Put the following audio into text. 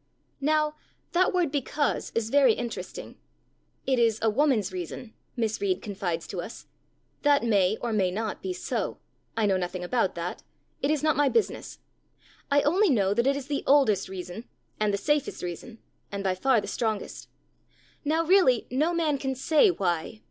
_"' Now, that word 'because' is very interesting. 'It is a woman's reason,' Miss Reed confides to us. That may, or may not, be so. I know nothing about that. It is not my business. I only know that it is the oldest reason, and the safest reason, and by far the strongest. Now, really, no man can say why.